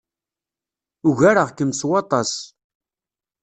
Ugareɣ-kem s waṭas.